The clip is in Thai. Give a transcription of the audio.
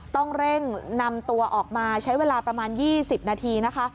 ต้องเร่งนำตัวออกมาใช้เวลาประมาณ๒๐นาทีนะคะ